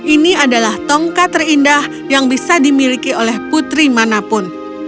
ini adalah tongkat terindah yang bisa dimiliki oleh putri manapun